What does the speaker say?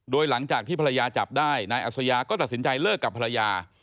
โดยหลังจากที่ภรรยาจับได้นายอัศยาก็ตัดสินใจเลิกกับภรรยา